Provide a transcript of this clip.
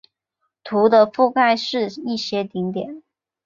图的覆盖是一些顶点。